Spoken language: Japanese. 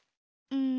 うん？